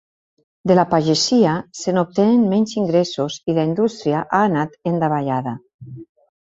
De la pagesia se n'obtenen menys ingressos i la indústria ha anat en davallada.